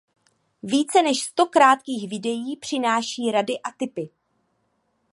Více než sto krátkých videí přináší rady a tipy